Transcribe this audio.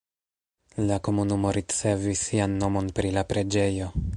La komunumo ricevis sian nomon pri la preĝejo.